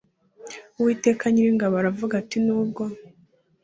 Uwiteka Nyiringabo aravuga ati Nubwo